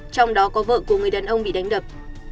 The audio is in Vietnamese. trong đó có vợ của người đàn ông bị đánh đập